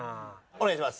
お願いします。